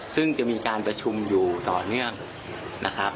ซึ่งจะมีการประชุมอยู่ต่อเนื่องนะครับ